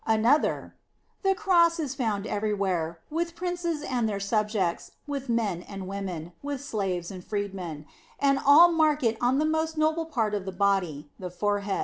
* Another: "The Cross is found everywhere; with princes and their subjects, with men and women, with slaves and freemen ; and all mark it on the most noble part of the body, the forehead.